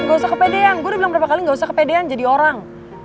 gak usah kepedean gue udah bilang berapa kali gak usah kepedean jadi orang